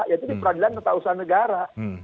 yaitu diperadilan ketausahaan negara